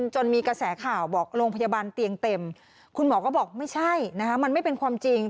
จนมีกระแสข่าวบอกโรงพยาบาลเตียงเต็มคุณหมอก็บอกไม่ใช่นะคะมันไม่เป็นความจริง